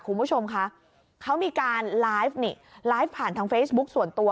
คุณผู้ชมคะเขามีการไลฟ์นี่ไลฟ์ผ่านทางเฟซบุ๊คส่วนตัว